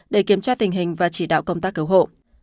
để kiểm tra tình hình và chỉ đạo công tác cứu hộ